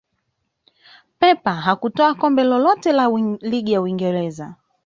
pep hakutwaa kombe lolote la ligi ya uingereza